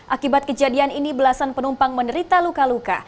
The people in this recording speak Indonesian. akibat kejadian ini belasan penumpang menderita luka luka